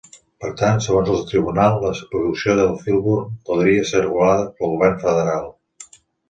Per tant, segons el tribunal, la producció de Filburn podria ser regulada pel govern federal.